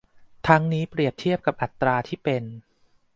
ทั้งนี้เปรียบเทียบกับอัตราที่เป็น